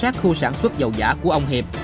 vừa bám sát khu sản xuất dầu giả của ông hiệp